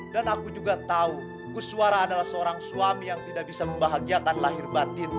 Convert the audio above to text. dan aku juga tahu kuswara adalah seorang suami yang tidak bisa membahagiakan lahir batinmu